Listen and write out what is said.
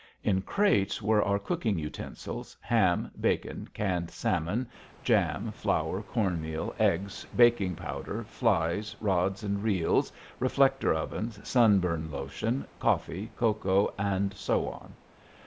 In crates were our cooking utensils, ham, bacon, canned salmon, jam, flour, corn meal, eggs, baking powder, flies, rods, and reels, reflector ovens, sunburn lotion, coffee, cocoa, and so on.